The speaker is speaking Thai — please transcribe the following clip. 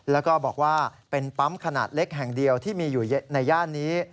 แล้วก็บอกว่าเป็นปั๊มขนาดเล็กแห่งเดียวที่มีอยู่ในย่านนี้